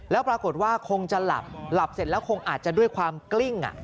แล้วปรากฏว่าคงจะหลับหลับเสร็จแล้วคงอาจจะด้วยความกลิ้ง